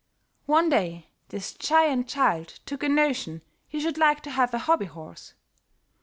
One day, this giant child took a notion he should like to have a hobby horse.